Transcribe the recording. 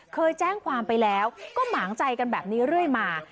เคยแจ้งความไปแล้วก็หมางใจกันแบบนี้เรื่อยมา